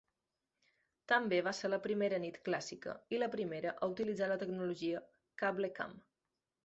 També va ser la primera nit clàssica i la primera a utilitzar la tecnologia "CableCam".